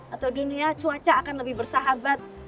atau dunia cuaca akan lebih bersahabat